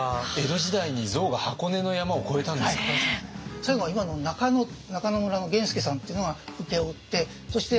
最後は今の中野中野村の源助さんっていうのが請け負ってそして最後